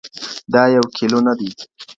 دا يو کېلو نه دئ.